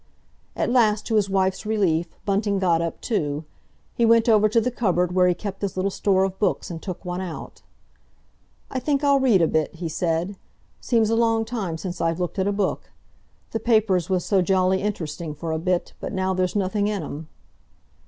At last to his wife's relief, Bunting got up too. He went over to the cupboard where he kept his little store of books, and took one out. "I think I'll read a bit," he said. "Seems a long time since I've looked at a book. The papers was so jolly interesting for a bit, but now there's nothing in 'em."